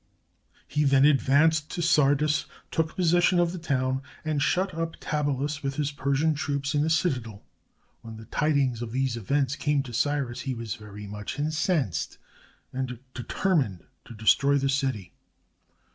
He then ad vanced to Sardis, took possession of the town, and shut up Tabalus, with his Persian troops, in the citadel. When the tidings of these events came to Cyrus, he was very much incensed, and determined to destroy the city.